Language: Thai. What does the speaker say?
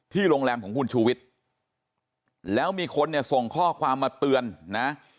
โรงแรมของคุณชูวิทย์แล้วมีคนเนี่ยส่งข้อความมาเตือนนะ